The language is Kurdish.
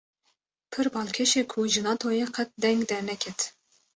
Pir balkêşe ku ji Natoyê qet deng derneket